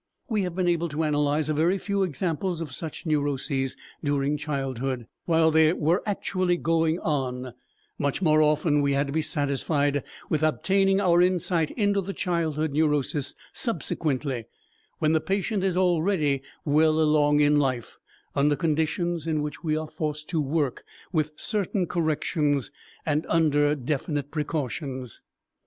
We have been able to analyze a very few examples of such neuroses during childhood, while they were actually going on; much more often we had to be satisfied with obtaining our insight into the childhood neurosis subsequently, when the patient is already well along in life, under conditions in which we are forced to work with certain corrections and under definite precautions.